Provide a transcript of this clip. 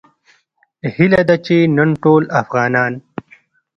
هیله ده چې نن ټول افغانان